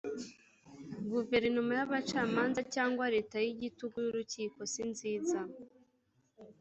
Guverinoma y abacamanza cyangwa Leta y igitugu y Urukiko sinziza